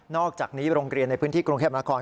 อกจากนี้โรงเรียนในพื้นที่กรุงเทพนคร